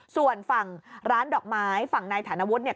ส่วนฝั่งร้านดอกไม้ฝั่งนายฐานวุฒิเนี่ย